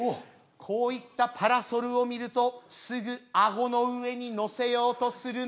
「こういったパラソルを見るとすぐ顎の上にのせようとするのは」